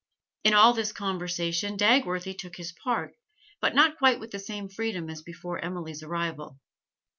In all this conversation Dagworthy took his part, but not quite with the same freedom as before Emily's arrival.